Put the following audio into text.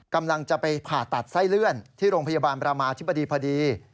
กำลังจะไปผ่าตัดไส้เลื่อนที่โรงพยาบาลประมาธิบดีพอดี